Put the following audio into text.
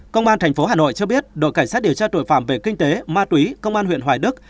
công an tp hà nội cho biết đội cảnh sát điều tra tội phạm về kinh tế ma túy công an huyện hoài đức